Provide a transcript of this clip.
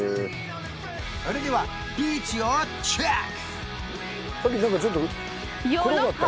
それではビーチをチェック！